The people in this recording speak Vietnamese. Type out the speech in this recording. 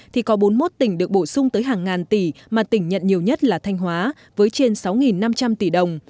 thì có bốn mươi một tỉnh được bổ sung tới hàng ngàn tỷ mà tỉnh nhận nhiều nhất là thanh hóa với trên sáu năm trăm linh tỷ đồng